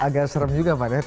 agar serem juga pak